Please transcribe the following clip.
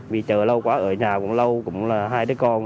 vì chờ lâu quá ở nhà cũng lâu cũng là hai đứa con